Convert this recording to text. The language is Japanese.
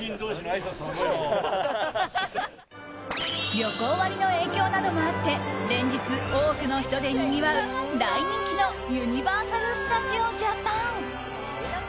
旅行割の影響などもあって連日、多くの人でにぎわう大人気のユニバーサル・スタジオ・ジャパン。